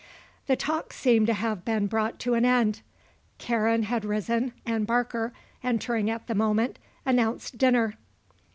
The talk seemed to have been brought to an end. Karen, had risen and Barker, entering at the moment, announced dinner.